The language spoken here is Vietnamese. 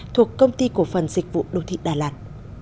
thuộc công ty cổ phần dịch vụ đô thị đà lạt